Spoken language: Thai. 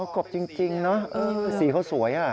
กบจริงเนอะสีเขาสวยอ่ะ